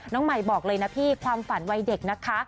น้องใหม่บอกเลยนะพี่ความฝันวัยเด็กนะคะ